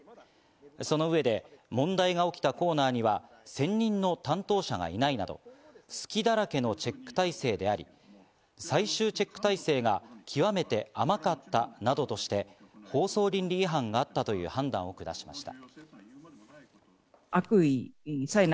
その上で問題が起きたコーナーには専任の担当者がいないなど隙だらけのチェック体制であり、最終チェック体制が極めて甘かったなどとして、放送倫理違反があったという判断を下しました。